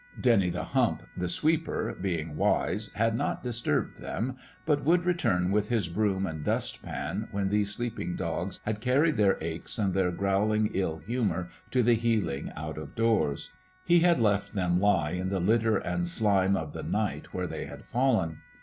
Dennie the Hump, the sweeper, being wise, had not disturbed them, but would return with his broom and dust pan when these sleeping dogs had carried their aches and their growling ill humour to the healing out of doors ; he had left them lie in the litter and slime 72 In LOVE WITH A FLOWER 73 of the night where they had fallen.